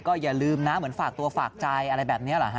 อย่าลืมนะเหมือนฝากตัวฝากใจอะไรแบบนี้เหรอฮ